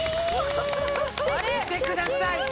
見てください！